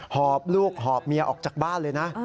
หอบลูกหอบเมียออกจากบ้านเลยนะ